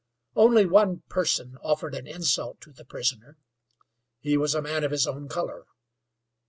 Only one person offered an insult to the prisoner; he was a man of his own color.